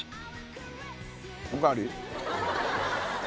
お代わり？